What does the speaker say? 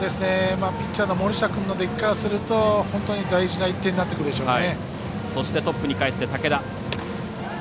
ピッチャーの森下君の出来からすると大事な１点になってくるでしょうね。